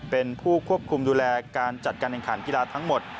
เป็นผู้ควบคุมดูแลการจัดการแข่งขันกีฬาทั้งหมด